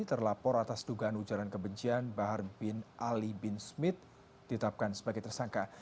terlapor atas dugaan ujaran kebencian bahar bin ali bin smith ditetapkan sebagai tersangka